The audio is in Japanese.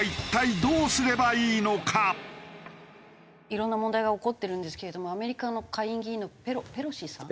いろんな問題が起こってるんですけれどもアメリカの下院議員のペロシさん？